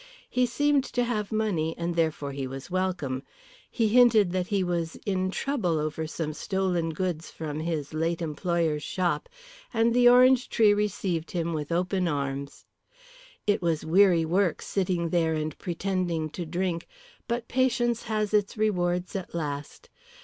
He seemed to have money, and therefore he was welcome. He hinted that he was "in trouble" over some stolen goods from his late employer's shop, and the Orange Tree received him with open arms. It was weary work sitting there and pretending to drink, but patience has its reward at last.